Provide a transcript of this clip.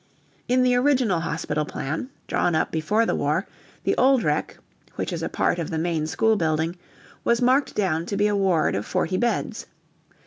In the original hospital plan drawn up before the war the Old Rec. (which is a part of the main school building) was marked down to be a ward of forty beds.